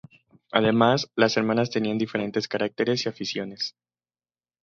Además, las hermanas tenían diferentes caracteres y aficiones.